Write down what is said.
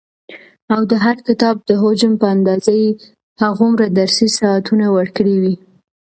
او د هر کتاب د حجم په اندازه يي هغومره درسي ساعتونه ورکړي وي،